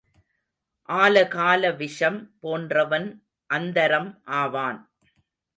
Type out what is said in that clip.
ஆலகால விஷம் போன்றவன் அந்தரம் ஆவான்.